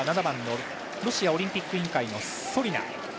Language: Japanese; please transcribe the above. ７番のロシアオリンピック委員会のソリナ。